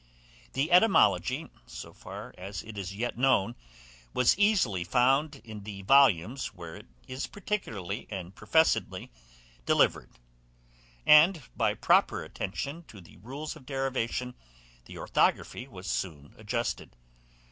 The etymology, so far as it is yet known, was easily found in the volumes where it is particularly and professedly delivered; and, by proper attention to the rules of derivation, the orthography was soon adjusted.